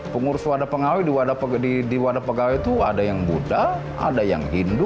pengurus wadah pengawe di wadah pegawai itu ada yang buddha ada yang hindu